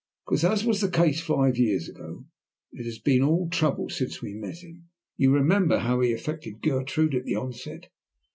"Because, as was the case five years ago, it has been all trouble since we met him. You remember how he affected Gertrude at the outset.